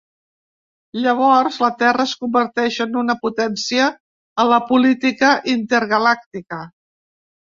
Llavors, la Terra es converteix en una potència a la política intergalàctica.